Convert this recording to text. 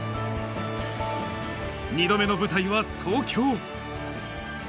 ２度目の舞台は東京。